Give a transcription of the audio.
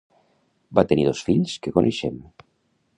Va tenir dos fills que coneixem.